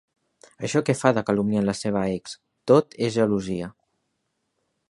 Això que fa de calumniar la seva ex, tot és gelosia.